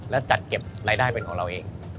และจัดเก็บรายได้เป็นของเราเอง